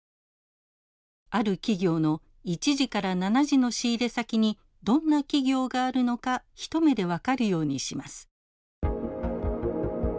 ある企業の１次から７次の仕入れ先にどんな企業があるのか一目で分かるようにします。